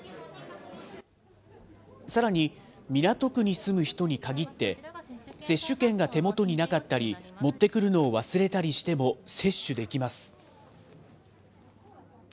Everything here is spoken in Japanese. さらに、港区に住む人に限って、接種券が手元になかったり、持ってくるのを忘れたりしても接種できます。